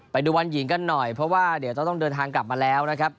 ไปดูวันหญิงกันหน่อยเพราะว่าเดี๋ยวจะต้องเดินทางกลับมาแล้วนะครับ